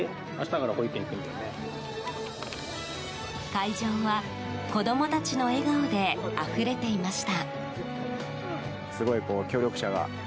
会場は、子供たちの笑顔であふれていました。